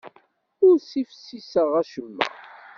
Ur ssifsiseɣ acemma.